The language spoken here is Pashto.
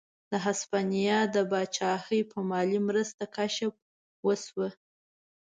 د هسپانیا د پاچاهۍ په مالي مرسته کشف وشوه.